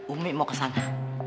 umi mau kesana